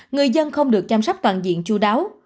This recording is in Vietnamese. người dân không được chăm sóc toàn diện chú đáo